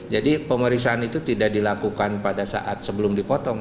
jadi pemeriksaan itu tidak dilakukan pada saat sebelum dipotong